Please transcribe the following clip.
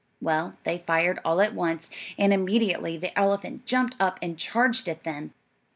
Well, they fired all at once, and immediately the elephant jumped up and charged at them.